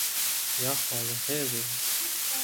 یاخوا بەخێر بێی.